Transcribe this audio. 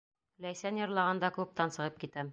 Ләйсән йырлағанда клубтан сығып китәм.